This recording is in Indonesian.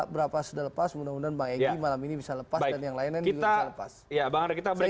berapa sudah lepas mudah mudahan bang egy malam ini bisa lepas dan yang lain lain juga bisa lepas